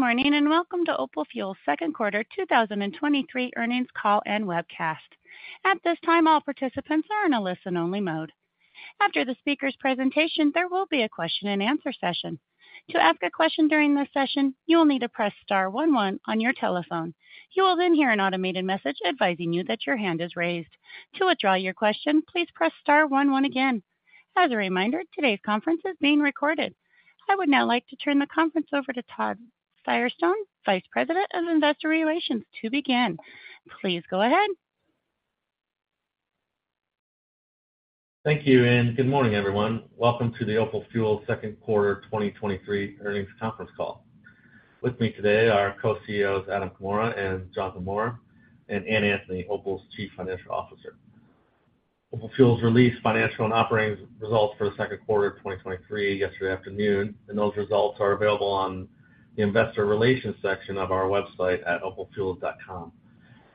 Good morning. Welcome to Opal Fuels' second quarter 2023 earnings call and webcast. At this time, all participants are in a listen-only mode. After the speaker's presentation, there will be a question-and-answer session. To ask a question during this session, you will need to press star one one on your telephone. You will then hear an automated message advising you that your hand is raised. To withdraw your question, please press star one one again. As a reminder, today's conference is being recorded. I would now like to turn the conference over to Todd Firestone, Vice President of Investor Relations, to begin. Please go ahead. Thank you. Good morning, everyone. Welcome to the Opal Fuels second quarter 2023 earnings conference call. With me today are Co-CEOs Adam Comora and Jonathan Maurer, and Ann Anthony, Opal's Chief Financial Officer. Opal Fuels released financial and operating results for the second quarter of 2023 yesterday afternoon, and those results are available on the investor relations section of our website at opalfuels.com.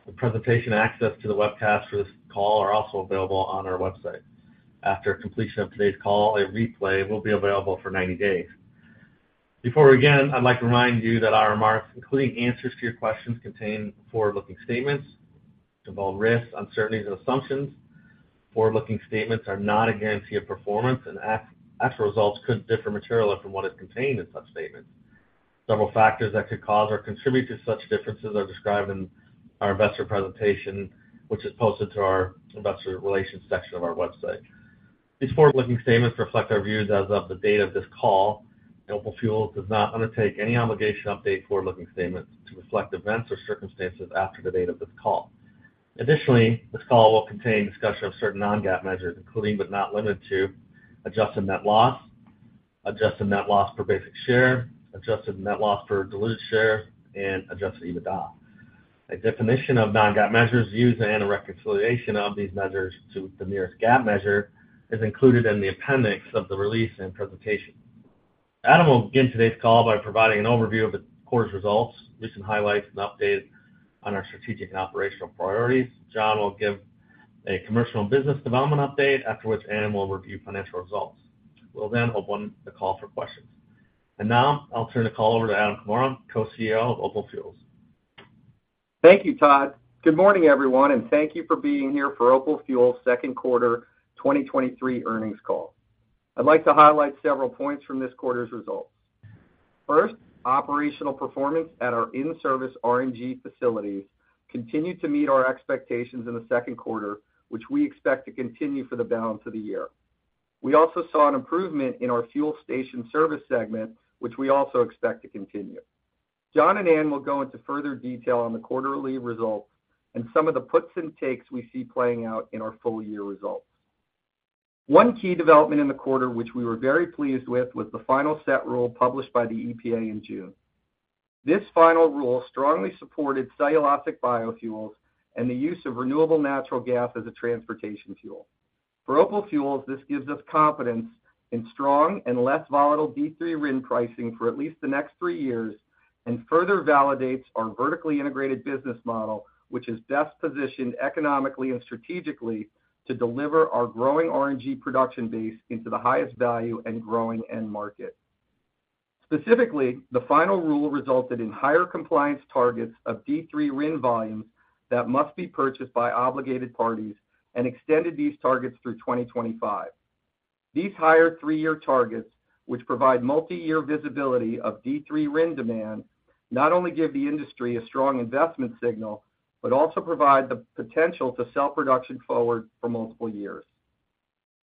The presentation access to the webcast for this call are also available on our website. After completion of today's call, a replay will be available for 90 days. Before we begin, I'd like to remind you that our remarks, including answers to your questions, contain forward-looking statements that involve risks, uncertainties and assumptions. Forward-looking statements are not a guarantee of performance, and actual results could differ materially from what is contained in such statements. Several factors that could cause or contribute to such differences are described in our investor presentation, which is posted to our investor relations section of our website. These forward-looking statements reflect our views as of the date of this call, and Opal Fuels does not undertake any obligation to update forward-looking statements to reflect events or circumstances after the date of this call. Additionally, this call will contain discussion of certain non-GAAP measures, including but not limited to adjusted net loss, adjusted net loss per basic share, adjusted net loss per diluted share, and Adjusted EBITDA. A definition of non-GAAP measures used and a reconciliation of these measures to the nearest GAAP measure is included in the appendix of the release and presentation. Adam will begin today's call by providing an overview of the quarter's results, recent highlights, and updates on our strategic and operational priorities. Jon will give a commercial and business development update, after which Ann will review financial results. We'll then open the call for questions. Now, I'll turn the call over to Adam Comora, Co-CEO of Opal Fuels. Thank you, Todd. Good morning, everyone. Thank you for being here for Opal Fuels' second quarter 2023 earnings call. I'd like to highlight several points from this quarter's results. First, operational performance at our in-service RNG facilities continued to meet our expectations in the second quarter, which we expect to continue for the balance of the year. We also saw an improvement in our fuel station service segment, which we also expect to continue. Jon and Ann will go into further detail on the quarterly results and some of the puts and takes we see playing out in our full year results. One key development in the quarter, which we were very pleased with, was the final Set Rule published by the EPA in June. This final rule strongly supported cellulosic biofuels and the use of renewable natural gas as a transportation fuel. For Opal Fuels, this gives us confidence in strong and less volatile D3 RIN pricing for at least the next three years and further validates our vertically integrated business model, which is best positioned economically and strategically to deliver our growing RNG production base into the highest value and growing end market. Specifically, the final rule resulted in higher compliance targets of D3 RIN volumes that must be purchased by obligated parties and extended these targets through 2025. These higher three-year targets, which provide multiyear visibility of D3 RIN demand, not only give the industry a strong investment signal, but also provide the potential to sell production forward for multiple years.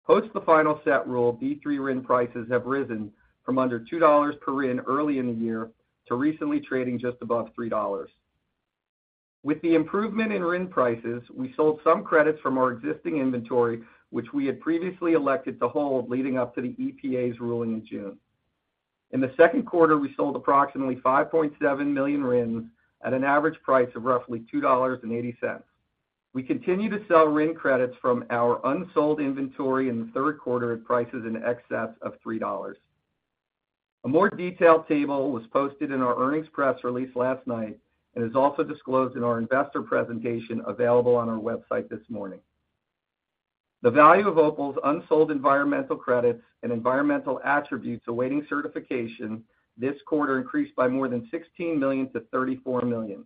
Post the final Set Rule, D3 RIN prices have risen from under $2 per RIN early in the year to recently trading just above $3. With the improvement in RIN prices, we sold some credits from our existing inventory, which we had previously elected to hold leading up to the EPA's ruling in June. In the second quarter, we sold approximately 5.7 million RINs at an average price of roughly $2.80. We continue to sell RIN credits from our unsold inventory in the third quarter at prices in excess of $3. A more detailed table was posted in our earnings press release last night and is also disclosed in our investor presentation available on our website this morning. The value of Opal's unsold environmental credits and environmental attributes awaiting certification this quarter increased by more than $16 million-$34 million.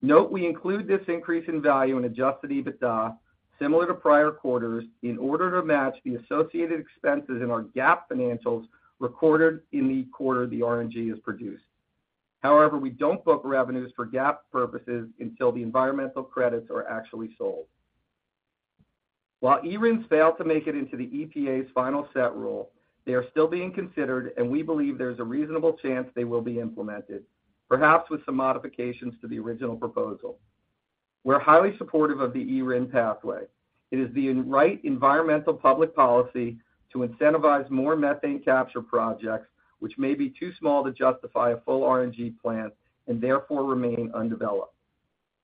Note, we include this increase in value in Adjusted EBITDA, similar to prior quarters, in order to match the associated expenses in our GAAP financials recorded in the quarter the RNG is produced. However, we don't book revenues for GAAP purposes until the environmental credits are actually sold. While eRINs failed to make it into the EPA's final Set Rule, they are still being considered, and we believe there's a reasonable chance they will be implemented, perhaps with some modifications to the original proposal. We're highly supportive of the eRIN pathway. It is the right environmental public policy to incentivize more methane capture projects, which may be too small to justify a full RNG plant and therefore remain undeveloped.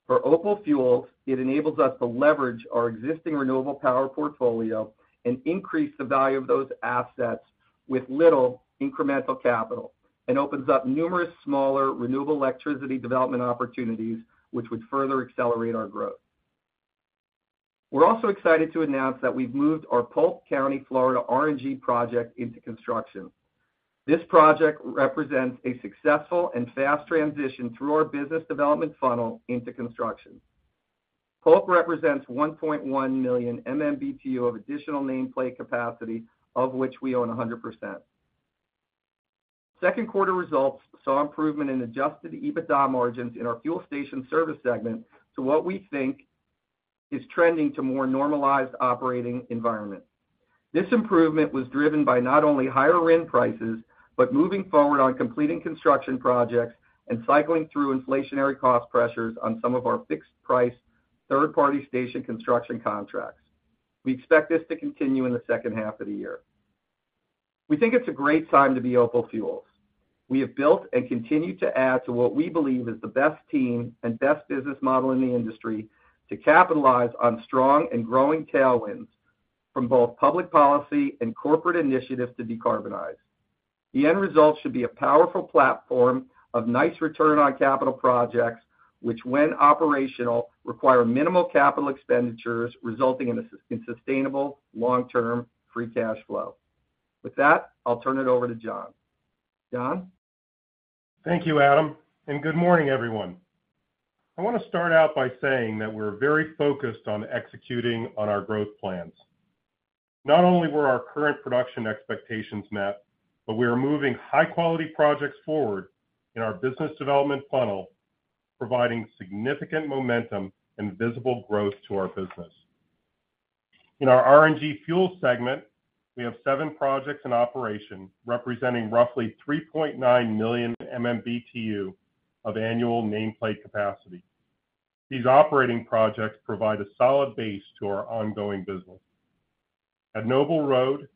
For Opal Fuels, it enables us to leverage our existing renewable power portfolio and increase the value of those assets with little incremental capital and opens up numerous smaller renewable electricity development opportunities, which would further accelerate our growth.... We're also excited to announce that we've moved our Polk County, Florida, RNG project into construction. This project represents a successful and fast transition through our business development funnel into construction. Polk represents 1.1 million MMBtu of additional nameplate capacity, of which we own 100%. Second quarter results saw improvement in Adjusted EBITDA margins in our fuel station service segment to what we think is trending to more normalized operating environment. This improvement was driven by not only higher RIN prices, but moving forward on completing construction projects and cycling through inflationary cost pressures on some of our fixed-price, third-party station construction contracts. We expect this to continue in the second half of the year. We think it's a great time to be Opal Fuels. We have built and continue to add to what we believe is the best team and best business model in the industry to capitalize on strong and growing tailwinds from both public policy and corporate initiatives to decarbonize. The end result should be a powerful platform of nice return on capital projects, which, when operational, require minimal capital expenditures, resulting in sustainable, long-term, free cash flow. With that, I'll turn it over to Jon. Jon? Thank you, Adam, good morning, everyone. I want to start out by saying that we're very focused on executing on our growth plans. Not only were our current production expectations met, but we are moving high-quality projects forward in our business development funnel, providing significant momentum and visible growth to our business. In our RNG fuel segment, we have seven projects in operation, representing roughly 3.9 million MMBtu of annual nameplate capacity. These operating projects provide a solid base to our ongoing business. At Noble Road,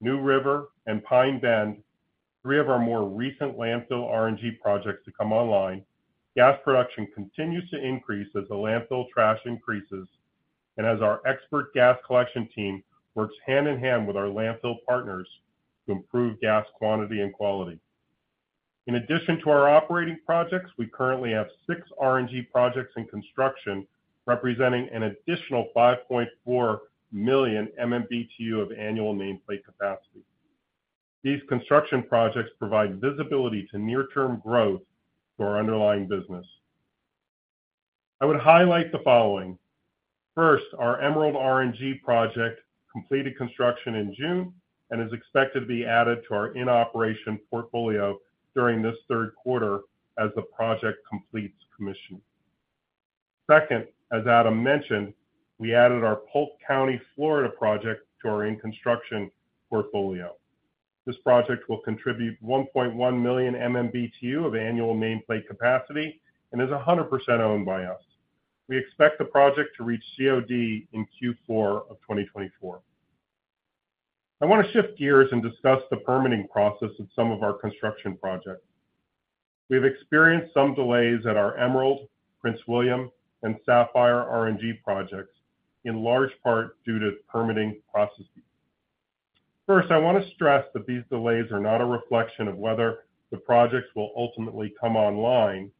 New River, and Pine Bend, three of our more recent landfill RNG projects to come online, gas production continues to increase as the landfill trash increases and as our expert gas collection team works hand-in-hand with our landfill partners to improve gas quantity and quality. In addition to our operating projects, we currently have six RNG projects in construction, representing an additional 5.4 million MMBtu of annual nameplate capacity. These construction projects provide visibility to near-term growth to our underlying business. I would highlight the following: first, our Emerald RNG project completed construction in June and is expected to be added to our in-operation portfolio during this third quarter as the project completes commission. Second, as Adam mentioned, we added our Polk County, Florida, project to our in-construction portfolio. This project will contribute 1.1 million MMBtu of annual nameplate capacity and is 100% owned by us. We expect the project to reach COD in Q4 of 2024. I want to shift gears and discuss the permitting process of some of our construction projects. We've experienced some delays at our Emerald, Prince William, and Sapphire RNG projects, in large part due to permitting processes. First, I want to stress that these delays are not a reflection of whether the projects will ultimately come online.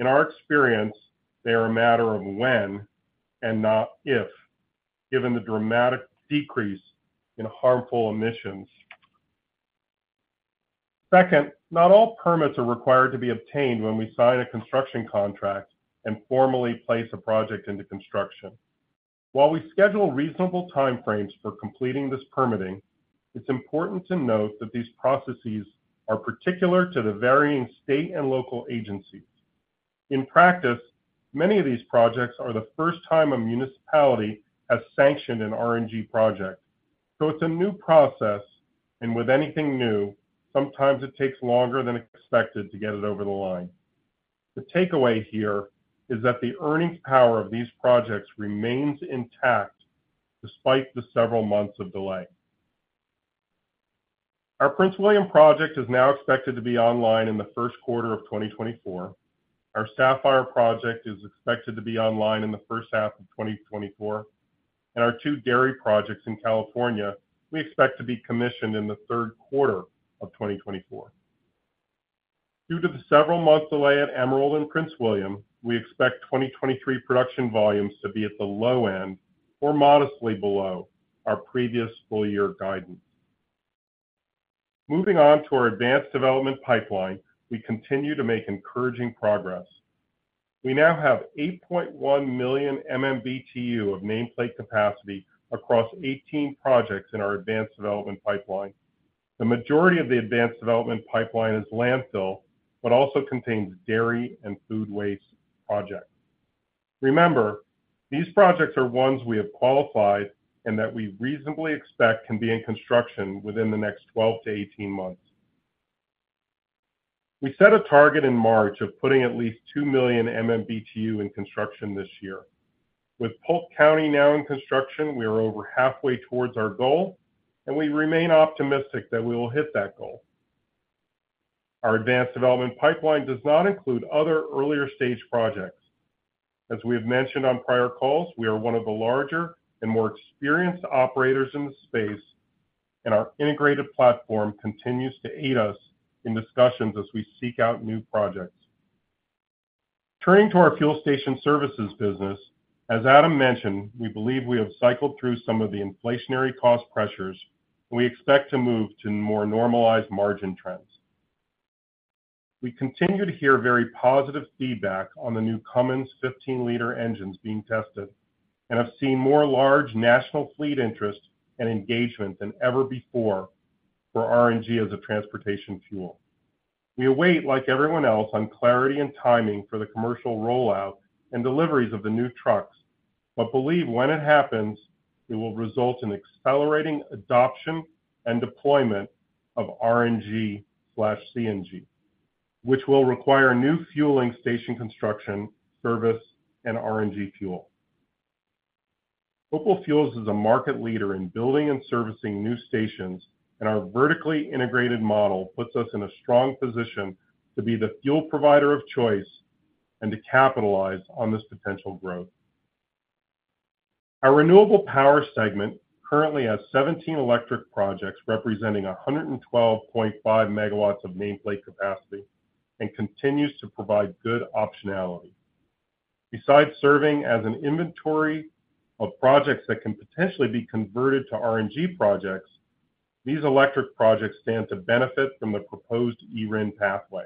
In our experience, they are a matter of when and not if, given the dramatic decrease in harmful emissions. Second, not all permits are required to be obtained when we sign a construction contract and formally place a project into construction. While we schedule reasonable time frames for completing this permitting, it's important to note that these processes are particular to the varying state and local agencies. In practice, many of these projects are the first time a municipality has sanctioned an RNG project. It's a new process, and with anything new, sometimes it takes longer than expected to get it over the line. The takeaway here is that the earnings power of these projects remains intact despite the several months of delay. Our Prince William project is now expected to be online in the first quarter of 2024. Our Sapphire project is expected to be online in the first half of 2024. Our two dairy projects in California, we expect to be commissioned in the third quarter of 2024. Due to the several-month delay at Emerald and Prince William, we expect 2023 production volumes to be at the low end or modestly below our previous full-year guidance. Moving on to our advanced development pipeline, we continue to make encouraging progress. We now have 8.1 million MMBtu of nameplate capacity across 18 projects in our advanced development pipeline. The majority of the advanced development pipeline is landfill, but also contains dairy and food waste projects. Remember, these projects are ones we have qualified and that we reasonably expect can be in construction within the next 12 to 18 months. We set a target in March of putting at least 2 million MMBtu in construction this year. With Polk County now in construction, we are over halfway towards our goal, and we remain optimistic that we will hit that goal. Our advanced development pipeline does not include other earlier-stage projects. As we have mentioned on prior calls, we are one of the larger and more experienced operators in the space. Our integrated platform continues to aid us in discussions as we seek out new projects. Turning to our fuel station services business, as Adam mentioned, we believe we have cycled through some of the inflationary cost pressures. We expect to move to more normalized margin trends. We continue to hear very positive feedback on the new Cummins 15 L engines being tested, and have seen more large national fleet interest and engagement than ever before for RNG as a transportation fuel. We await, like everyone else, on clarity and timing for the commercial rollout and deliveries of the new trucks, but believe when it happens, it will result in accelerating adoption and deployment of RNG/CNG, which will require new fueling station construction, service, and RNG fuel. Opal Fuels is a market leader in building and servicing new stations, and our vertically integrated model puts us in a strong position to be the fuel provider of choice and to capitalize on this potential growth. Our renewable power segment currently has 17 electric projects, representing 112.5 MW of nameplate capacity, and continues to provide good optionality. Besides serving as an inventory of projects that can potentially be converted to RNG projects, these electric projects stand to benefit from the proposed eRIN pathway.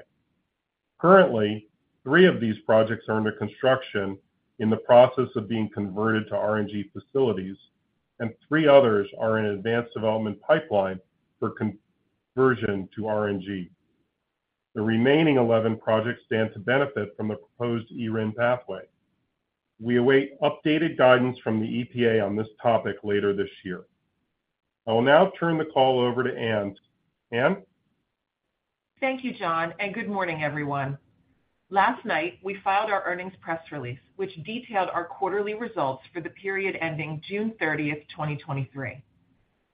Currently, three of these projects are under construction in the process of being converted to RNG facilities, and three others are in an advanced development pipeline for conversion to RNG. The remaining 11 projects stand to benefit from the proposed eRIN pathway. We await updated guidance from the EPA on this topic later this year. I will now turn the call over to Ann. Ann? Thank you, Jon. Good morning, everyone. Last night, we filed our earnings press release, which detailed our quarterly results for the period ending June 30, 2023.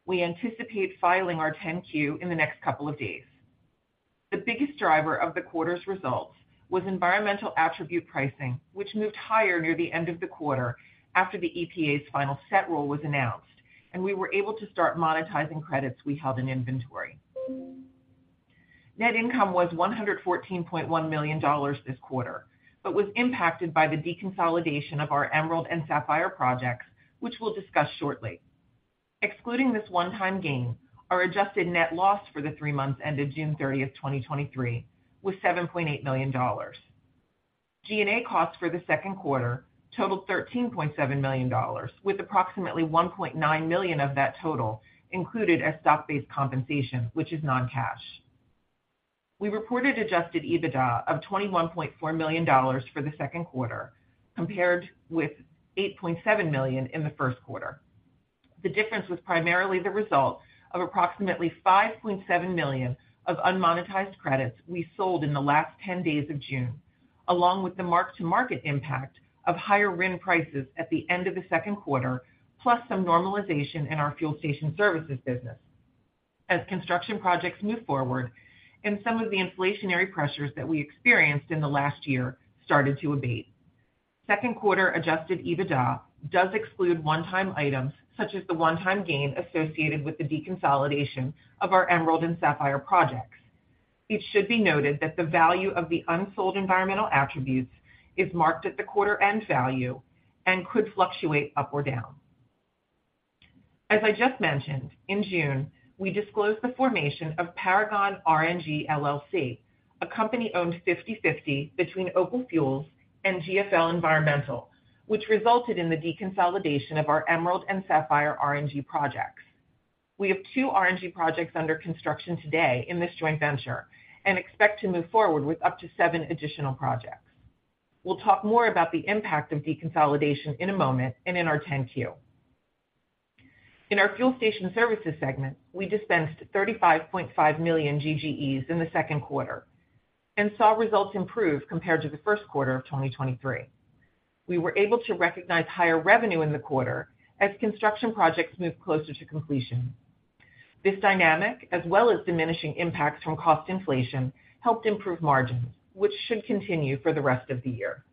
We anticipate filing our 10-Q in the next couple of days. The biggest driver of the quarter's results was environmental attribute pricing, which moved higher near the end of the quarter after the EPA's final Set Rule was announced, and we were able to start monetizing credits we held in inventory. Net income was $114.1 million this quarter, but was impacted by the deconsolidation of our Emerald and Sapphire projects, which we'll discuss shortly. Excluding this one-time gain, our adjusted net loss for the three months ended June 30, 2023, was $7.8 million. G&A costs for the second quarter totaled $13.7 million, with approximately $1.9 million of that total included as stock-based compensation, which is non-cash. We reported Adjusted EBITDA of $21.4 million for the second quarter, compared with $8.7 million in the first quarter. The difference was primarily the result of approximately $5.7 million of unmonetized credits we sold in the last 10 days of June, along with the mark-to-market impact of higher RIN prices at the end of the second quarter, plus some normalization in our fuel station services business as construction projects move forward and some of the inflationary pressures that we experienced in the last year started to abate. Second quarter Adjusted EBITDA does exclude one-time items, such as the one-time gain associated with the deconsolidation of our Emerald and Sapphire projects. It should be noted that the value of the unsold environmental attributes is marked at the quarter-end value and could fluctuate up or down. As I just mentioned, in June, we disclosed the formation of Paragon RNG LLC, a company owned 50/50 between Opal Fuels and GFL Environmental, which resulted in the deconsolidation of our Emerald and Sapphire RNG projects. We have two RNG projects under construction today in this joint venture and expect to move forward with up to 7 additional projects. We'll talk more about the impact of deconsolidation in a moment and in our 10-Q. In our fuel station services segment, we dispensed 35.5 million GGEs in the second quarter and saw results improve compared to the first quarter of 2023. We were able to recognize higher revenue in the quarter as construction projects moved closer to completion. This dynamic, as well as diminishing impacts from cost inflation, helped improve margins, which should continue for the rest of the year.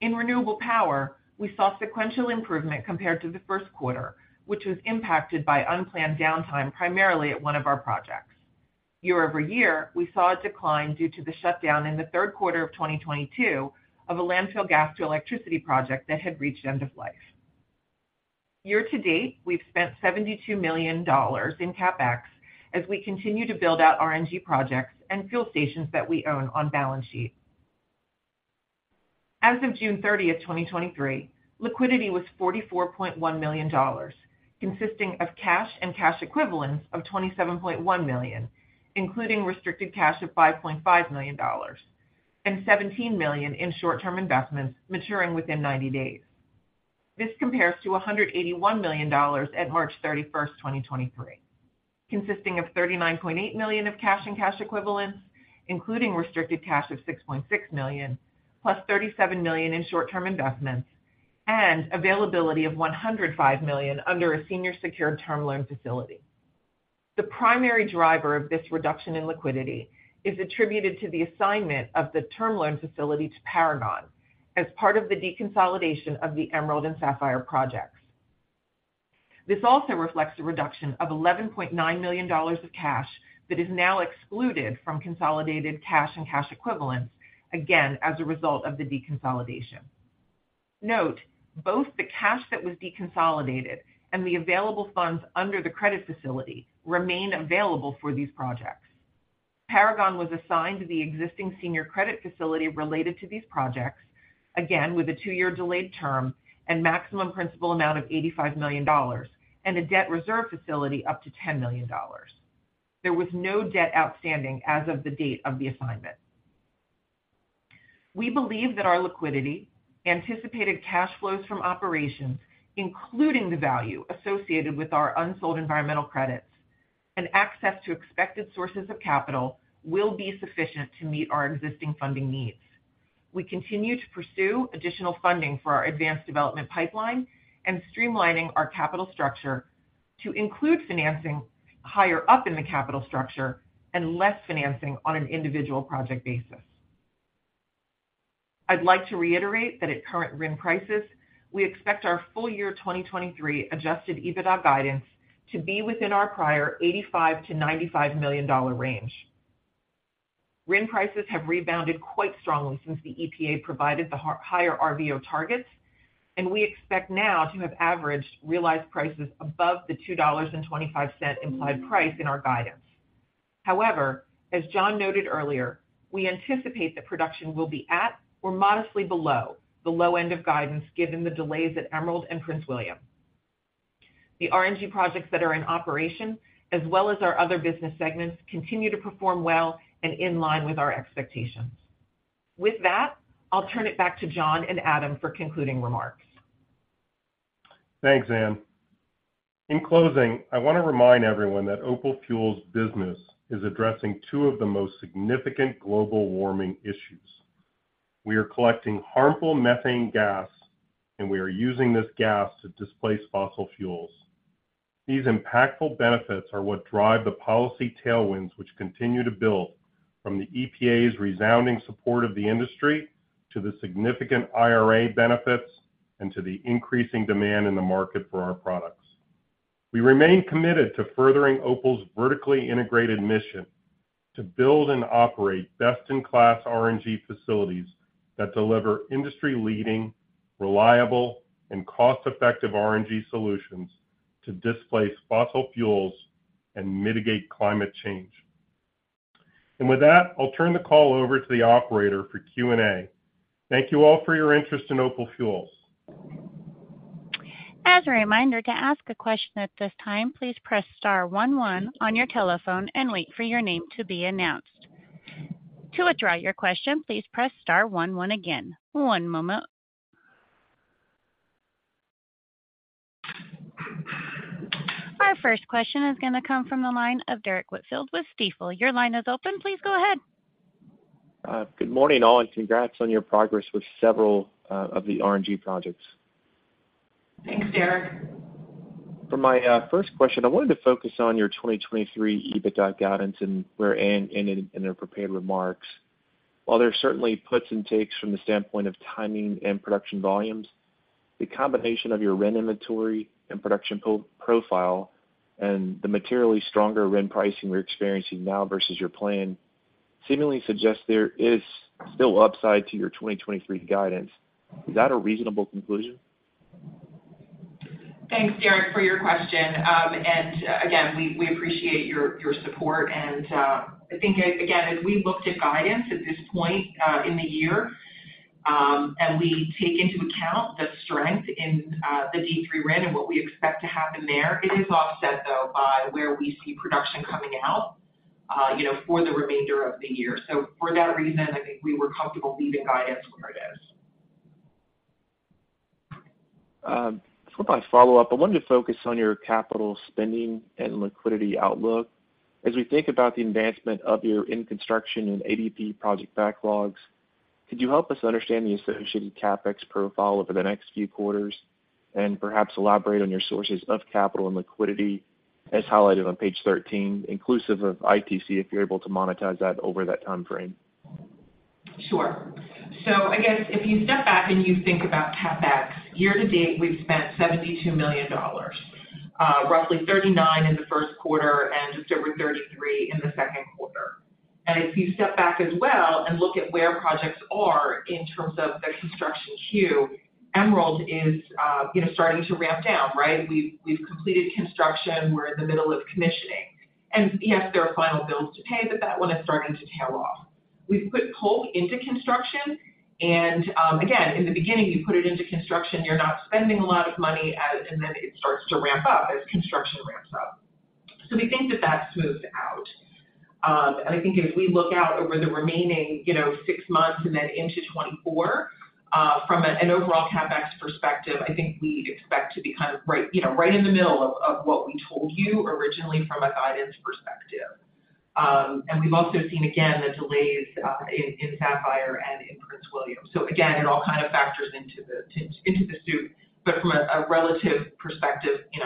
In renewable power, we saw sequential improvement compared to the first quarter, which was impacted by unplanned downtime, primarily at one of our projects. Year-over-year, we saw a decline due to the shutdown in the third quarter of 2022 of a landfill gas to electricity project that had reached end of life. Year-to-date, we've spent $72 million in CapEx as we continue to build out RNG projects and fuel stations that we own on balance sheet. As of June 30, 2023, liquidity was $44.1 million, consisting of cash and cash equivalents of $27.1 million, including restricted cash of $5.5 million, and $17 million in short-term investments maturing within 90 days. This compares to $181 million at March 31, 2023, consisting of $39.8 million of cash and cash equivalents, including restricted cash of $6.6 million, plus $37 million in short-term investments, and availability of $105 million under a senior secured term loan facility. The primary driver of this reduction in liquidity is attributed to the assignment of the term loan facility to Paragon as part of the deconsolidation of the Emerald and Sapphire projects. This also reflects a reduction of $11.9 million of cash that is now excluded from consolidated cash and cash equivalents, again, as a result of the deconsolidation. Note, both the cash that was deconsolidated and the available funds under the credit facility remain available for these projects. Paragon was assigned the existing senior credit facility related to these projects, again, with a two-year delayed term and maximum principal amount of $85 million, and a debt reserve facility up to $10 million. There was no debt outstanding as of the date of the assignment. We believe that our liquidity, anticipated cash flows from operations, including the value associated with our unsold environmental credits, and access to expected sources of capital, will be sufficient to meet our existing funding needs. We continue to pursue additional funding for our advanced development pipeline and streamlining our capital structure to include financing higher up in the capital structure and less financing on an individual project basis. I'd like to reiterate that at current RIN prices, we expect our full year 2023 Adjusted EBITDA guidance to be within our prior $85 million-$95 million range. RIN prices have rebounded quite strongly since the EPA provided the higher RVO targets, and we expect now to have averaged realized prices above the $2.25 implied price in our guidance. As Jon noted earlier, we anticipate that production will be at or modestly below the low end of guidance, given the delays at Emerald and Prince William. The RNG projects that are in operation, as well as our other business segments, continue to perform well and in line with our expectations. With that, I'll turn it back to Jon and Adam for concluding remarks. Thanks, Ann. In closing, I want to remind everyone that Opal Fuels' business is addressing two of the most significant global warming issues. We are collecting harmful methane gas, and we are using this gas to displace fossil fuels. These impactful benefits are what drive the policy tailwinds, which continue to build from the EPA's resounding support of the industry to the significant IRA benefits and to the increasing demand in the market for our products. We remain committed to furthering Opal's vertically integrated mission to build and operate best-in-class RNG facilities that deliver industry-leading, reliable, and cost-effective RNG solutions to displace fossil fuels and mitigate climate change. With that, I'll turn the call over to the operator for Q&A. Thank you all for your interest in Opal Fuels. As a reminder, to ask a question at this time, please press star one one on your telephone and wait for your name to be announced. To withdraw your question, please press star one one again. One moment. Our first question is going to come from the line of Derrick Whitfield with Stifel. Your line is open. Please go ahead. Good morning, all, congrats on your progress with several of the RNG projects. Thanks, Derrick. For my first question, I wanted to focus on your 2023 EBITDA guidance and where Ann ended in her prepared remarks. While there are certainly puts and takes from the standpoint of timing and production volumes, the combination of your RIN inventory and production profile and the materially stronger RIN pricing you're experiencing now versus your plan, seemingly suggests there is still upside to your 2023 guidance. Is that a reasonable conclusion? Thanks, Derrick, for your question. Again, we, we appreciate your, your support. I think, again, as we looked at guidance at this point in the year, and we take into account the strength in the D3 RIN and what we expect to happen there, it is offset, though, by where we see production coming out, you know, for the remainder of the year. For that reason, I think we were comfortable leaving guidance where it is. For my follow-up, I wanted to focus on your capital spending and liquidity outlook. As we think about the advancement of your in-construction and ADP project backlogs, could you help us understand the associated CapEx profile over the next few quarters and perhaps elaborate on your sources of capital and liquidity, as highlighted on page 13, inclusive of ITC, if you're able to monetize that over that time frame? Sure. I guess if you step back and you think about CapEx, year to date, we've spent $72 million, roughly 39 in the first quarter and just over 33 in the second quarter. If you step back as well and look at where projects are in terms of their construction queue, Emerald is, you know, starting to ramp down, right? We've, we've completed construction, we're in the middle of commissioning. Yes, there are final bills to pay, but that one is starting to tail off. We've put Polk into construction, and again, in the beginning, you put it into construction, you're not spending a lot of money, and then it starts to ramp up as construction ramps up. We think that that's smoothed out. I think as we look out over the remaining, you know, six months and then into 2024, from an overall CapEx perspective, I think we expect to be kind of right, you know, right in the middle of what we told you originally from a guidance perspective. We've also seen, again, the delays in Sapphire and in Prince William. Again, it all kind of factors into the, into the soup, but from a relative perspective, you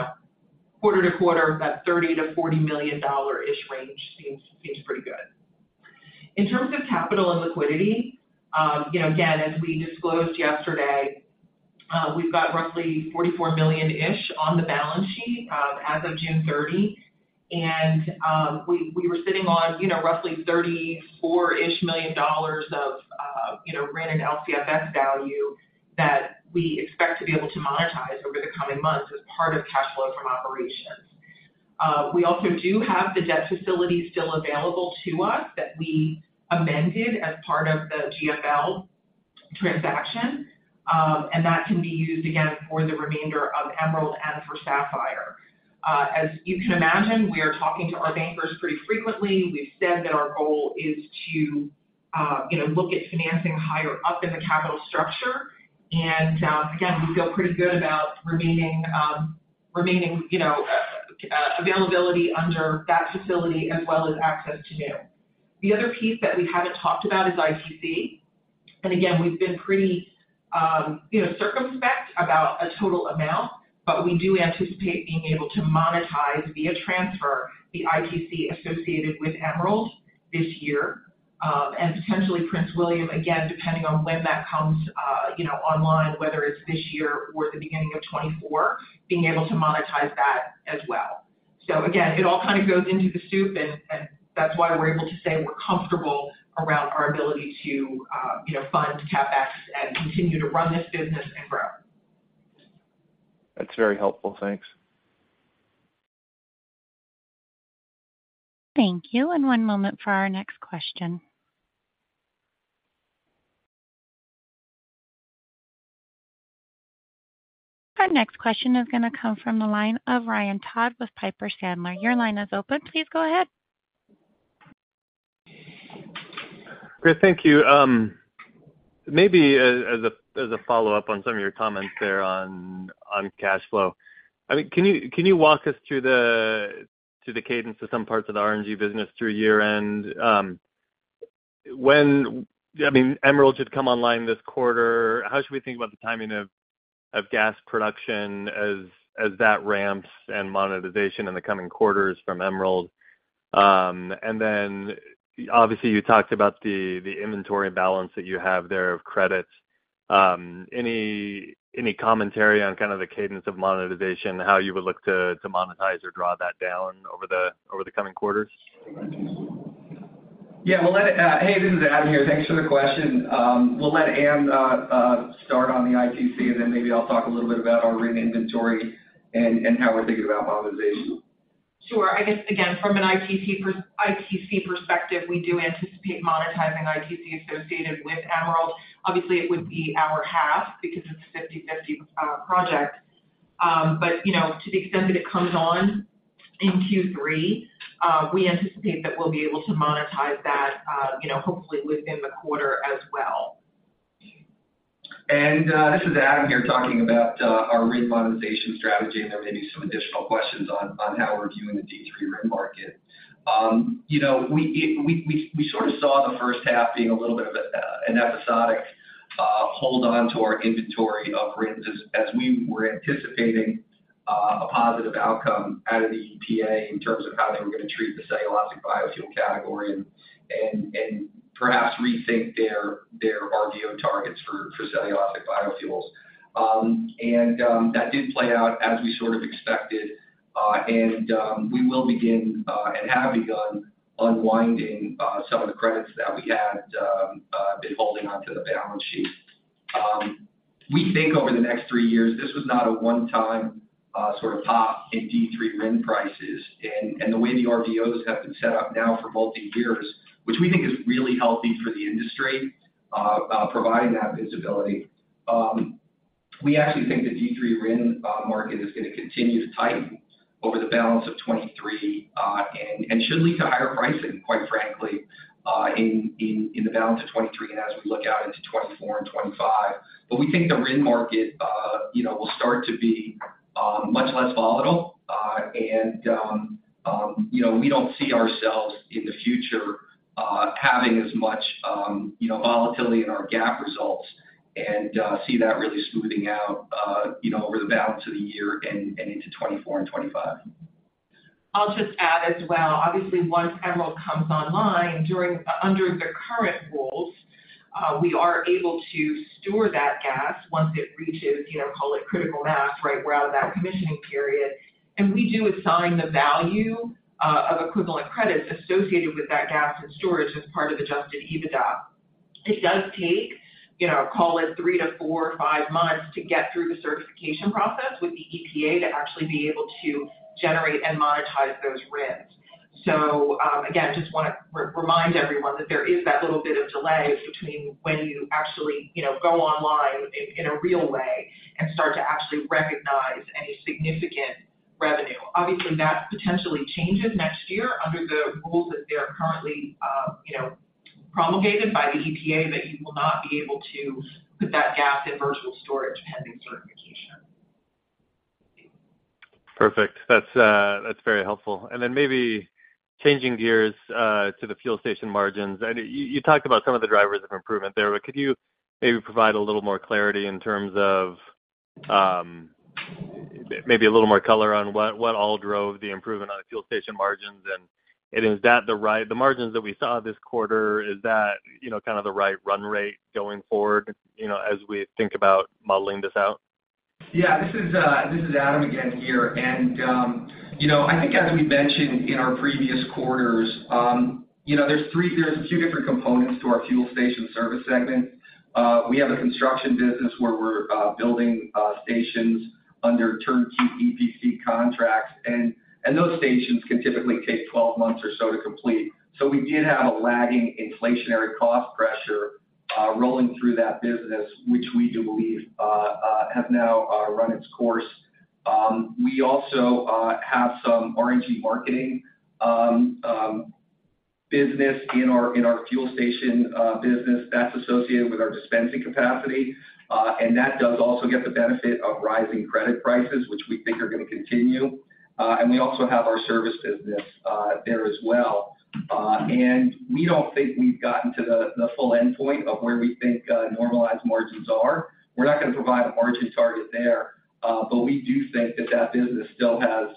know, quarter to quarter, that $30 million-$40 million-ish range seems pretty good. In terms of capital and liquidity, you know, again, as we disclosed yesterday, we've got roughly $44 million-ish on the balance sheet as of June 30. We, we were sitting on, you know, roughly $34-ish million of RIN and LCFS value that we expect to be able to monetize over the coming months as part of cash flow from operations. We also do have the debt facility still available to us that we amended as part of the GFL transaction. That can be used again for the remainder of Emerald and for Sapphire. As you can imagine, we are talking to our bankers pretty frequently. We've said that our goal is to, you know, look at financing higher up in the capital structure. Again, we feel pretty good about remaining, remaining availability under that facility as well as access to new. The other piece that we haven't talked about is ITC. Again, we've been pretty, you know, circumspect about a total amount, but we do anticipate being able to monetize via transfer the ITC associated with Emerald this year. Potentially Prince William, again, depending on when that comes, you know, online, whether it's this year or at the beginning of 2024, being able to monetize that as well. Again, it all kind of goes into the soup, and, and that's why we're able to say we're comfortable around our ability to, you know, fund CapEx and continue to run this business and grow. That's very helpful. Thanks. Thank you. One moment for our next question. Our next question is going to come from the line of Ryan Todd with Piper Sandler. Your line is open. Please go ahead. Great, thank you. Maybe as, as a, as a follow-up on some of your comments there on, on cash flow. I mean, can you, can you walk us through the, to the cadence of some parts of the RNG business through year-end? I mean, Emerald should come online this quarter. How should we think about the timing of, of gas production as, as that ramps and monetization in the coming quarters from Emerald? Then obviously, you talked about the, the inventory balance that you have there of credits. Any, any commentary on kind of the cadence of monetization, how you would look to, to monetize or draw that down over the, over the coming quarters? Yeah. Hey, this is Adam here. Thanks for the question. We'll let Ann start on the ITC, and then maybe I'll talk a little bit about our RIN inventory and how we're thinking about monetization. Sure. I guess, again, from an ITC ITC perspective, we do anticipate monetizing ITC associated with Emerald. Obviously, it would be our half because it's a 50/50 project. But, you know, to the extent that it comes on in Q3, we anticipate that we'll be able to monetize that, you know, hopefully within the quarter as well. This is Adam here, talking about our RIN monetization strategy, and there may be some additional questions on how we're viewing the D3 RIN market. You know, we, we, we, we sort of saw the first half being a little bit of an episodic hold on to our inventory of RINs as we were anticipating a positive outcome out of the EPA in terms of how they were going to treat the cellulosic biofuel category and, and, and perhaps rethink their RVO targets for cellulosic biofuels. That did play out as we sort of expected. And we will begin and have begun unwinding some of the credits that we had been holding onto the balance sheet. We think over the next 3 years, this was not a one-time, sort of top in D3 RIN prices. The way the RVOs have been set up now for multi-years, which we think is really healthy for the industry, providing that visibility. We actually think the D3 RIN market is going to continue to tighten over the balance of 2023, and should lead to higher pricing, quite frankly, in the balance of 2023 and as we look out into 2024 and 2025. We think the RIN market, you know, will start to be much less volatile. you know, we don't see ourselves in the future, having as much, you know, volatility in our GAAP results and, see that really smoothing out, you know, over the balance of the year and, into 2024 and 2025. I'll just add as well. Obviously, once Emerald comes online, under the current rules, we are able to store that gas once it reaches, you know, call it critical mass, right? We're out of that commissioning period. We do assign the value of equivalent credits associated with that gas and storage as part of Adjusted EBITDA. It does take, you know, call it 3 to 4 or 5 months to get through the certification process with the EPA to actually be able to generate and monetize those RINs. Again, just want to re-remind everyone that there is that little bit of delay between when you actually, you know, go online in, in a real way and start to actually recognize any significant revenue. Obviously, that potentially changes next year under the rules that they're currently, you know, promulgated by the EPA, that you will not be able to put that gas in virtual storage pending certification. Perfect. That's, that's very helpful. Then maybe changing gears, to the fuel station margins. You, you talked about some of the drivers of improvement there, but could you maybe provide a little more clarity in terms of, maybe a little more color on what, what all drove the improvement on the fuel station margins? Is that the right, the margins that we saw this quarter, is that, you know, kind of the right run rate going forward, you know, as we think about modeling this out? Yeah. This is Adam again here. You know, I think as we mentioned in our previous quarters, you know, there's a few different components to our fuel station service segment. We have a construction business where we're building stations under turnkey EPC contracts, and those stations can typically take 12 months or so to complete. We did have a lagging inflationary cost pressure rolling through that business, which we do believe has now run its course. We also have some RNG marketing business in our fuel station business that's associated with our dispensing capacity. That does also get the benefit of rising credit prices, which we think are gonna continue. We also have our service business there as well. We don't think we've gotten to the full endpoint of where we think normalized margins are. We're not gonna provide a margin target there, but we do think that that business still has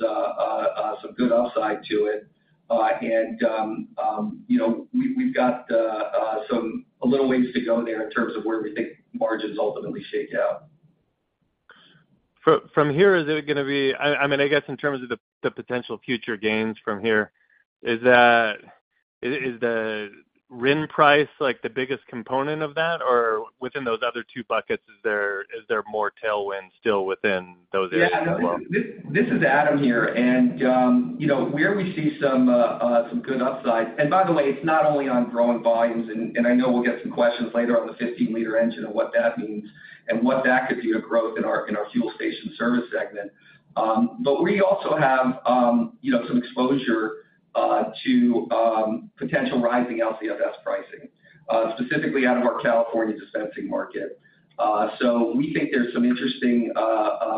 some good upside to it. You know, we've got some a little ways to go there in terms of where we think margins ultimately shake out. From here, I mean, I guess in terms of the potential future gains from here, is that, is the RIN price, like, the biggest component of that? Or within those other two buckets, is there more tailwind still within those areas as well? Yeah. This, this is Adam here, and, you know, where we see some, some good upside. By the way, it's not only on growing volumes, and, I know we'll get some questions later on the 15 L engine and what that means, and what that could be a growth in our, in our fuel station service segment. We also have, you know, some exposure to potential rising LCFS pricing, specifically out of our California dispensing market. We think there's some interesting,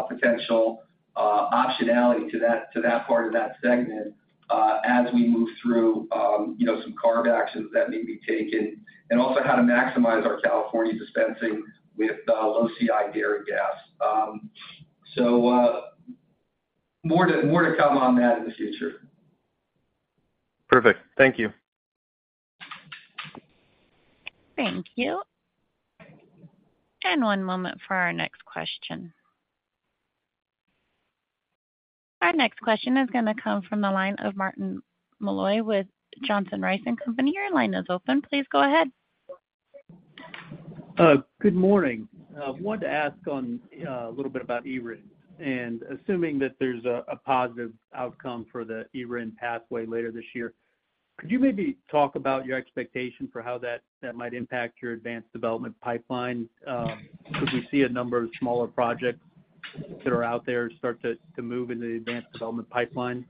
potential, optionality to that, to that part of that segment, as we move through, you know, some CARB actions that may be taken, and also how to maximize our California dispensing with the low CI dairy gas. More to, more to come on that in the future. Perfect. Thank you. Thank you. One moment for our next question. Our next question is gonna come from the line of Martin Malloy with Johnson Rice & Company. Your line is open. Please go ahead. Good morning. I wanted to ask on a little bit about eRIN. Assuming that there's a positive outcome for the eRIN pathway later this year, could you maybe talk about your expectation for how that might impact your advanced development pipeline? Could we see a number of smaller projects that are out there start to move in the advanced development pipeline?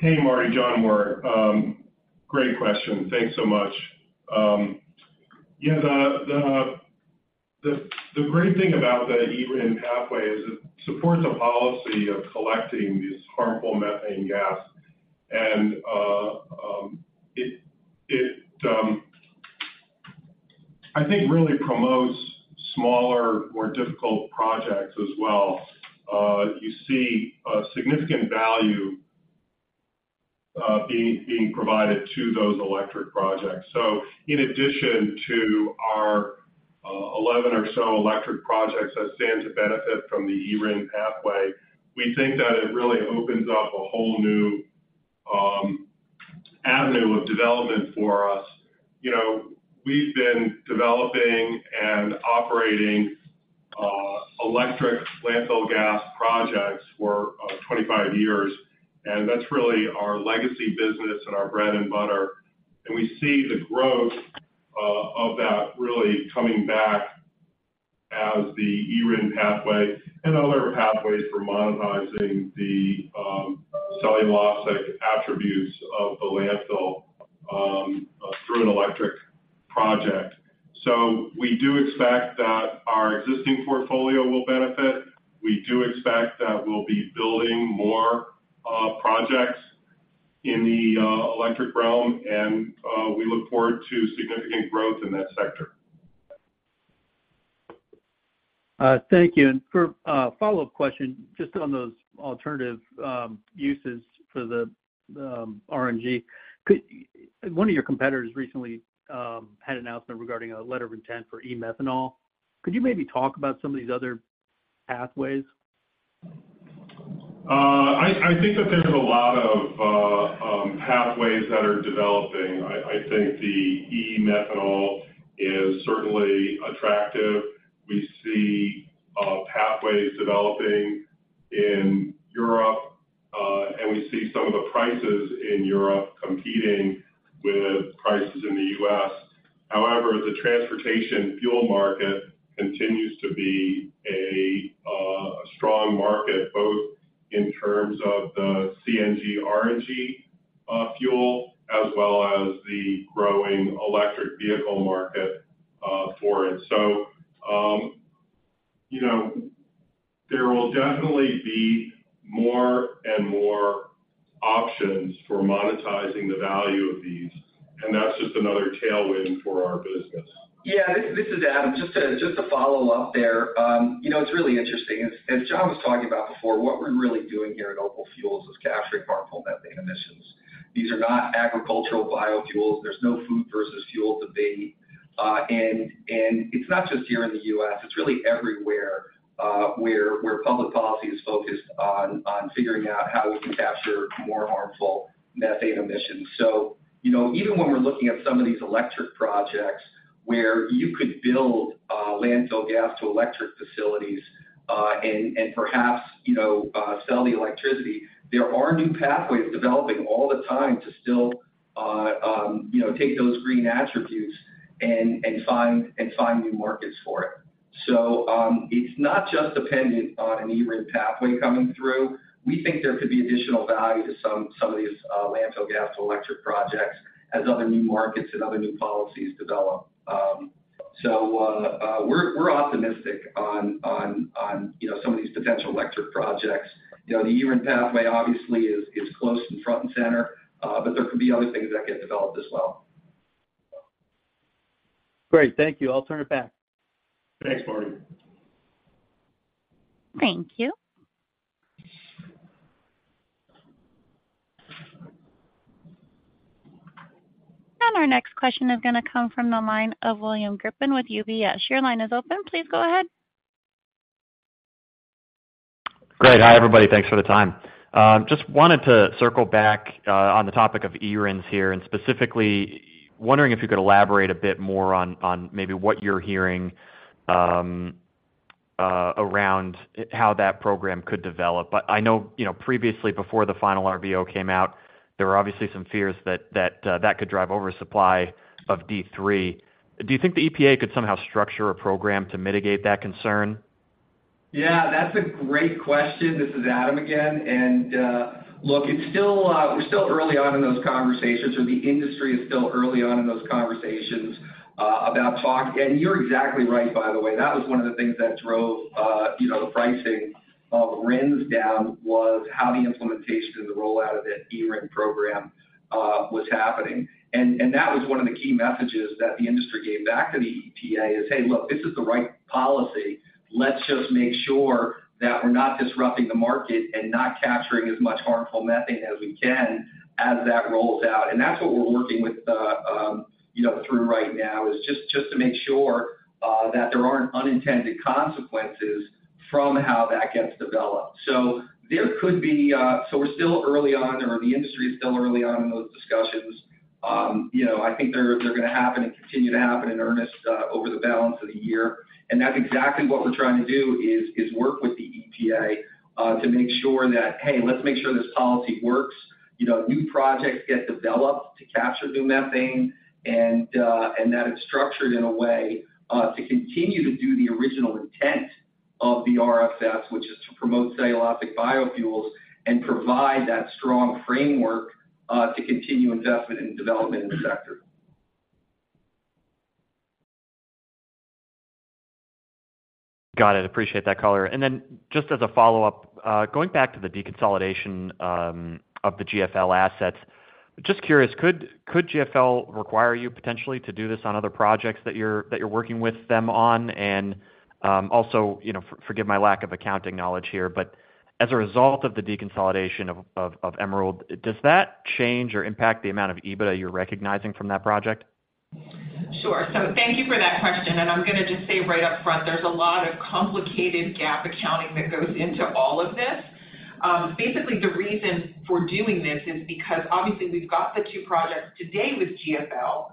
Hey, Martin, Jonathan Maurer. Great question. Thanks so much. Yeah, the, the, the, the great thing about the eRIN pathway is it supports a policy of collecting these harmful methane gas, and it, it, I think really promotes smaller, more difficult projects as well. You see a significant value being provided to those electric projects. In addition to our 11 or so electric projects that stand to benefit from the eRIN pathway, we think that it really opens up a whole new avenue of development for us. You know, we've been developing and operating electric landfill gas projects for 25 years, and that's really our legacy business and our bread and butter. We see the growth of that really coming back as the eRIN pathway and other pathways for monetizing the cellulosic attributes of the landfill through an electric project. We do expect that our existing portfolio will benefit. We do expect that we'll be building more projects in the electric realm, and we look forward to significant growth in that sector. Thank you. For a follow-up question, just on those alternative uses for the RNG. One of your competitors recently had an announcement regarding a letter of intent for e-methanol. Could you maybe talk about some of these other pathways? I, I think that there's a lot of pathways that are developing. I, I think the e-methanol is certainly attractive. We see pathways developing in Europe, and we see some of the prices in Europe competing with prices in the U.S. However, the transportation fuel market continues to be a strong market, both in terms of the CNG, RNG fuel, as well as the growing electric vehicle market for it. You know, there will definitely be more and more options for monetizing the value of these, and that's just another tailwind for our business. Yeah, this, this is Adam. Just to, just to follow up there, you know, it's really interesting. As, as Jonathan was talking about before, what we're really doing here at Opal Fuels is capturing harmful methane emissions. These are not agricultural biofuels. There's no food versus fuel debate. It's not just here in the U.S., it's really everywhere, where, where public policy is focused on, on figuring out how we can capture more harmful methane emissions. You know, even when we're looking at some of these electric projects, where you could build, landfill gas to electric facilities, and, and perhaps, you know, sell the electricity, there are new pathways developing all the time to still, you know, take those green attributes and, and find, and find new markets for it. It's not just dependent on an eRIN pathway coming through. We think there could be additional value to some, some of these, landfill gas to electric projects as other new markets and other new policies develop. We're, we're optimistic on, on, on, you know, some of these potential electric projects. You know, the eRIN pathway obviously is, is close and front and center, but there could be other things that get developed as well. Great. Thank you. I'll turn it back. Thanks, Martin. Thank you. Our next question is gonna come from the line of William Grippin with UBS. Your line is open. Please go ahead. Great. Hi, everybody. Thanks for the time. Just wanted to circle back on the topic of eRINs here, and specifically wondering if you could elaborate a bit more on, on maybe what you're hearing, around how that program could develop. I know, you know, previously, before the final RVO came out, there were obviously some fears that, that, that could drive oversupply of D3. Do you think the EPA could somehow structure a program to mitigate that concern? Yeah, that's a great question. This is Adam again, and look, it's still, we're still early on in those conversations, or the industry is still early on in those conversations, about talk. You're exactly right, by the way. That was one of the things that drove, you know, the pricing of RINs down, was how the implementation and the rollout of that eRIN program, was happening. That was one of the key messages that the industry gave back to the EPA is: Hey, look, this is the right policy. Let's just make sure that we're not disrupting the market and not capturing as much harmful methane as we can as that rolls out. That's what we're working with, you know, through right now, is just, just to make sure that there aren't unintended consequences from how that gets developed. There could be... So we're still early on, or the industry is still early on in those discussions. You know, I think they're, they're gonna happen and continue to happen in earnest over the balance of the year. That's exactly what we're trying to do, is, is work with the EPA to make sure that, hey, let's make sure this policy works. You know, new projects get developed to capture new methane, and that it's structured in a way to continue to do the original intent of the RFS, which is to promote cellulosic biofuels and provide that strong framework to continue investment and development in the sector. Got it. Appreciate that color. Then just as a follow-up, going back to the deconsolidation of the GFL assets, just curious, could, could GFL require you potentially to do this on other projects that you're, that you're working with them on? Also, you know, for- forgive my lack of accounting knowledge here, but as a result of the deconsolidation of, of, of Emerald, does that change or impact the amount of EBITDA you're recognizing from that project? Sure. Thank you for that question, and I'm gonna just say right up front, there's a lot of complicated GAAP accounting that goes into all of this. Basically, the reason for doing this is because obviously we've got the two projects today with GFL,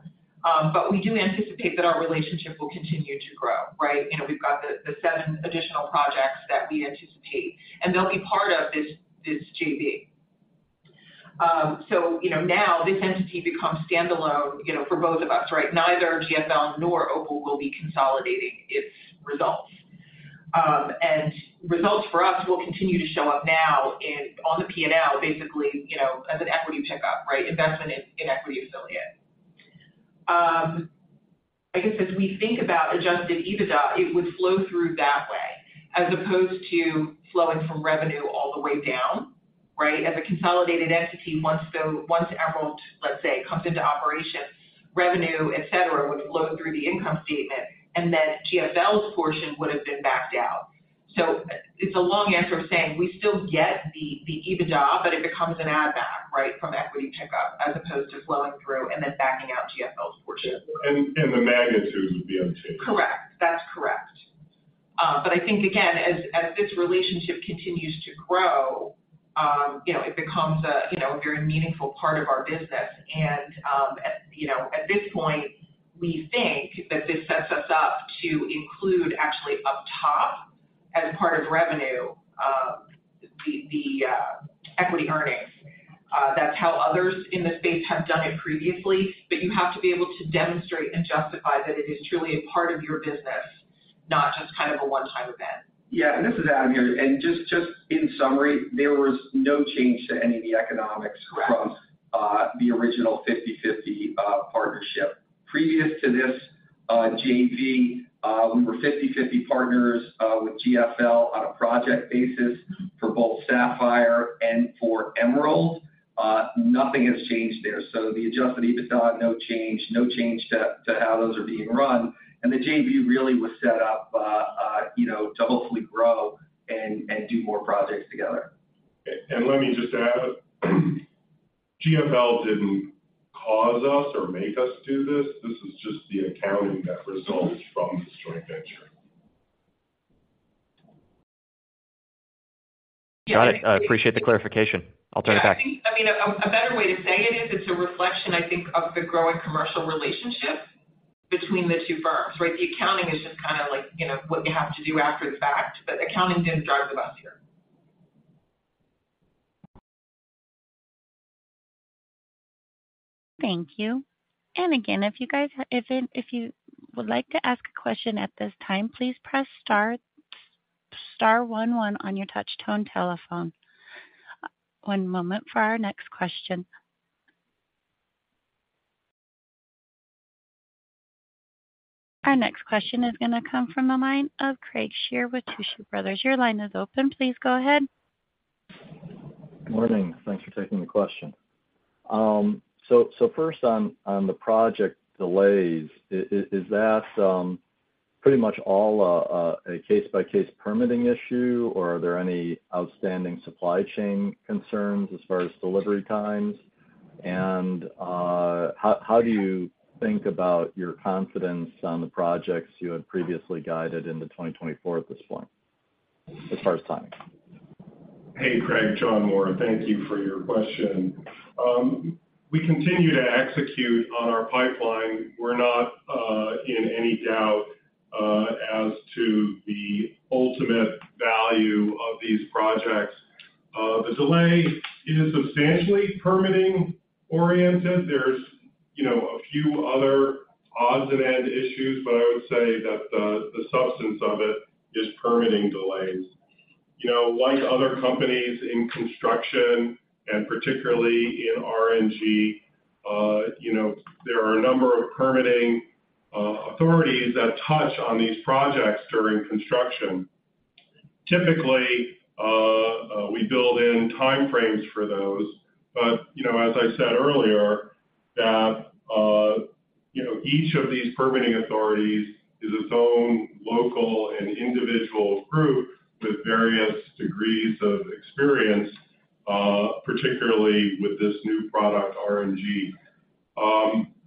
but we do anticipate that our relationship will continue to grow, right? You know, we've got the, the seven additional projects that we anticipate, and they'll be part of this, this JV. You know, now this entity becomes standalone, you know, for both of us, right? Neither GFL nor Opal will be consolidating its results. Results for us will continue to show up now in, on the P&L, basically, you know, as an equity pickup, right? Investment in, in equity affiliate. I guess as we think about Adjusted EBITDA, it would flow through that way as opposed to flowing from revenue all the way down, right? As a consolidated entity, once once Emerald, let's say, comes into operation, revenue, et cetera, would flow through the income statement, and then GFL's portion would have been backed out. It's a long answer of saying we still get the, the EBITDA, but it becomes an add back, right, from equity checkup, as opposed to flowing through and then backing out GFL's portion. And the magnitudes would be unchanged. Correct. That's correct. I think again, as this relationship continues to grow, you know, it becomes a, you know, very meaningful part of our business. At, you know, at this point, we think that this sets us up to include actually up top, as a part of revenue, the, the, equity earnings. That's how others in the space have done it previously, but you have to be able to demonstrate and justify that it is truly a part of your business, not just kind of a one-time event. This is Adam here, just in summary, there was no change to any of the economics- Correct... the original 50/50 partnership. Previous to this JV, we were 50/50 partners with GFL on a project basis for both Sapphire and for Emerald. Nothing has changed there. The Adjusted EBITDA, no change, no change to, to how those are being run. The JV really was set up, you know, to hopefully grow and, and do more projects together. Let me just add, GFL didn't cause us or make us do this. This is just the accounting that results from this joint venture. Got it. I appreciate the clarification. I'll turn it back. Yeah, I think, I mean, a better way to say it is, it's a reflection, I think, of the growing commercial relationship between the two firms, right? The accounting is just kinda like, you know, what you have to do after the fact, but accounting didn't drive the bus here. Thank you. Again, if you guys if you would like to ask a question at this time, please press star, star 11 on your touch tone telephone. One moment for our next question. Our next question is going to come from the line of Craig Shere with Tuohy Brothers. Your line is open. Please go ahead. Good morning. Thanks for taking the question. So first on, on the project delays, is that pretty much all a case-by-case permitting issue, or are there any outstanding supply chain concerns as far as delivery times? How do you think about your confidence on the projects you had previously guided into 2024 at this point, as far as timing? Hey, Craig, Jonathan Maurer. Thank you for your question. We continue to execute on our pipeline. We're not in any doubt as to the ultimate value of these projects. The delay is substantially permitting-oriented. There's, you know, a few other odds and end issues, but I would say that the, the substance of it is permitting delays. You know, like other companies in construction, and particularly in RNG, you know, there are a number of permitting authorities that touch on these projects during construction. Typically, we build in time frames for those, but, you know, as I said earlier, that, you know, each of these permitting authorities is its own local and individual group with various degrees of experience, particularly with this new product, RNG.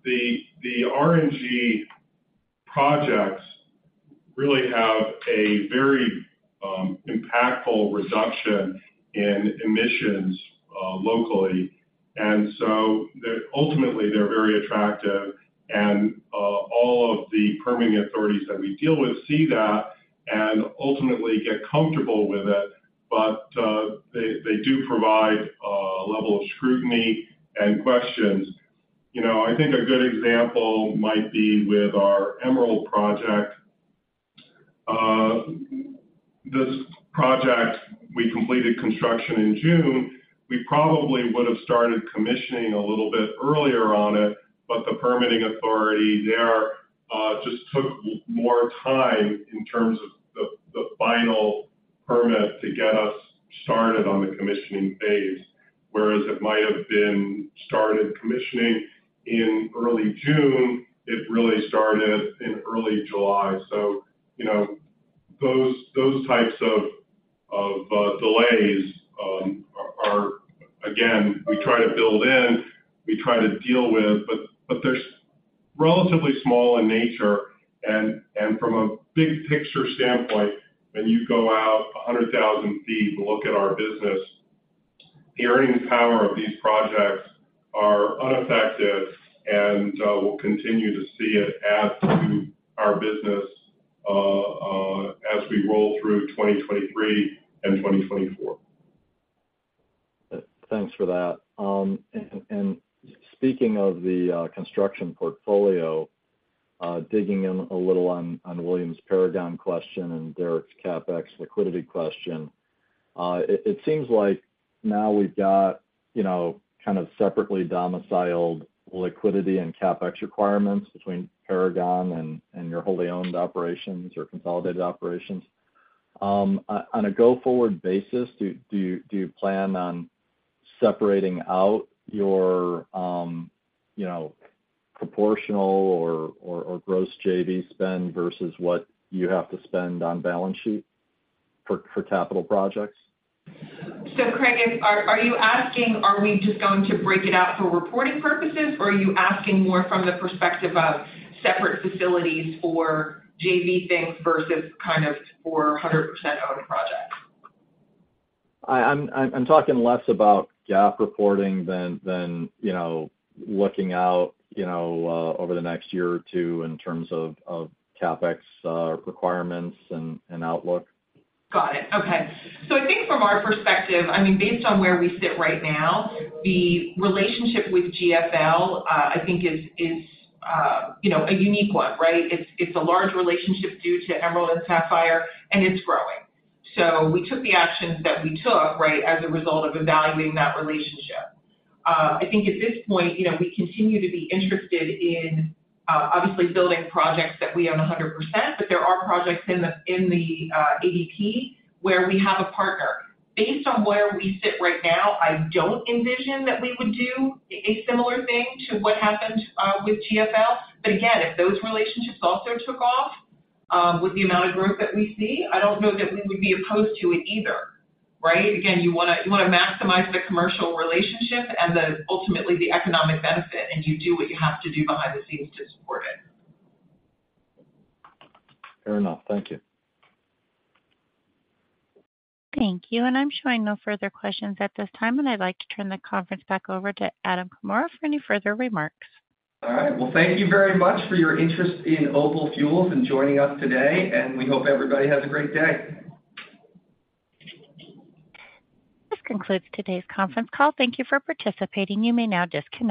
The RNG projects really have a very impactful reduction in emissions locally. Ultimately, they're very attractive and all of the permitting authorities that we deal with see that and ultimately get comfortable with it, but they do provide a level of scrutiny and questions. You know, I think a good example might be with our Emerald RNG project. This project, we completed construction in June. We probably would have started commissioning a little bit earlier on it, but the permitting authority there just took more time in terms of the final permit to get us started on the commissioning phase. Whereas it might have been started commissioning in early June, it really started in early July. You know, those, those types of, of delays, are, again, we try to build in, we try to deal with, but, but they're relatively small in nature. From a big picture standpoint, when you go out 100,000 feet and look at our business, the earning power of these projects are unaffected, and we'll continue to see it add to our business as we roll through 2023 and 2024. Thanks for that. Speaking of the construction portfolio, digging in a little on Williams Paragon question and Derrick's CapEx liquidity question, it seems like now we've got, you know, kind of separately domiciled liquidity and CapEx requirements between Paragon and your wholly owned operations or consolidated operations. On a go-forward basis, do you plan on separating out your, you know, proportional or gross JV spend versus what you have to spend on balance sheet for capital projects? Craig, are, are you asking, are we just going to break it out for reporting purposes, or are you asking more from the perspective of separate facilities for JV things versus kind of for 100%-owned projects? I'm talking less about GAAP reporting than, you know, looking out, you know, over the next year or two in terms of CapEx requirements and outlook. Got it. Okay. I think from our perspective, I mean, based on where we sit right now, the relationship with GFL, I think is, is, you know, a unique one, right? It's, it's a large relationship due to Emerald and Sapphire, and it's growing. We took the actions that we took, right, as a result of evaluating that relationship. I think at this point, you know, we continue to be interested in, obviously, building projects that we own 100%, but there are projects in the, in the, ADP where we have a partner. Based on where we sit right now, I don't envision that we would do a similar thing to what happened with GFL. Again, if those relationships also took off, with the amount of growth that we see, I don't know that we would be opposed to it either, right? Again, you wanna, you wanna maximize the commercial relationship and the, ultimately, the economic benefit, and you do what you have to do behind the scenes to support it. Fair enough. Thank you. Thank you. I'm showing no further questions at this time. I'd like to turn the conference back over to Adam Comora for any further remarks. All right. Well, thank you very much for your interest in Opal Fuels and joining us today. We hope everybody has a great day. This concludes today's conference call. Thank you for participating. You may now disconnect.